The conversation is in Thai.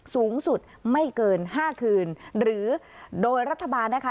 สูงสุดไม่เกินห้าคืนหรือโดยรัฐบาลนะคะ